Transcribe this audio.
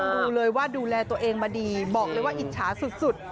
ดูเลยว่าดูแลตัวเองมาดีบอกเลยว่าอิจฉาสุด